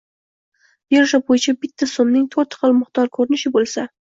birja bo‘yicha bitta so‘mning to’rt xil miqdor ko‘rinishi bo‘lsa...